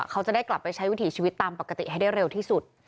เขาจะได้กลับไปใช้วิถีชีวิตตามปกติให้ได้เร็วที่สุด